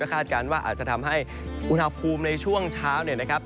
คาดการณ์ว่าอาจจะทำให้อุณหภูมิในช่วงเช้าเนี่ยนะครับ